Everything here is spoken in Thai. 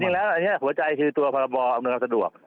จริงแล้วอันนี้หัวใจคือตัวประบอบมันก็สะดวก